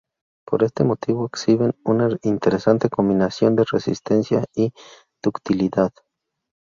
Por este motivo exhiben una interesante combinación de resistencia y ductilidad.